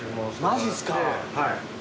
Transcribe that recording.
マジですか。